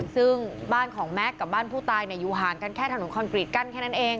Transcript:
ซึ่งบ้านของแม็กซ์กับบ้านผู้ตายอยู่ห่างกันแค่ถนนคอนกรีตกั้นแค่นั้นเอง